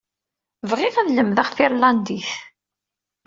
Bɣiɣ ad lemdeɣ tirlandit.